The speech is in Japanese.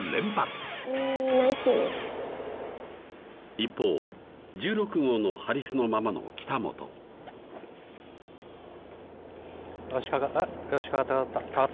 一方１６号のハリスのままの北本よしかかっ